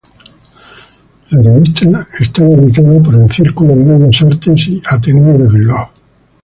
La revista estaba editada por el Círculo de Bellas Artes y Ateneo de Bilbao.